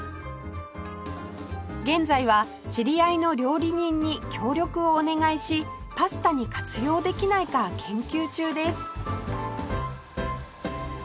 現在は知り合いの料理人に協力をお願いしパスタに活用できないか研究中です